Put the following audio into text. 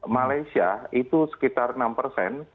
malaysia itu sekitar enam persen